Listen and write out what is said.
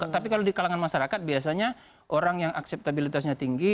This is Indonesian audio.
tapi kalau di kalangan masyarakat biasanya orang yang akseptabilitasnya tinggi